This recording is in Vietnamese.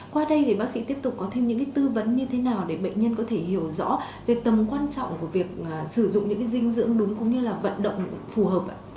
qua đây thì bác sĩ tiếp tục có thêm những tư vấn như thế nào để bệnh nhân có thể hiểu rõ về tầm quan trọng của việc sử dụng những dinh dưỡng đúng cũng như là vận động phù hợp ạ